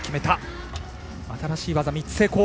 新しい技３つ成功。